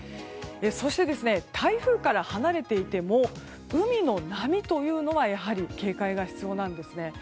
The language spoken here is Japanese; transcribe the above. そして、台風から離れていても海の波というのは警戒が必要なんです。